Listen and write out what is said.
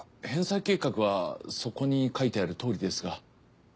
返済計画はそこに書いてあるとおりですが。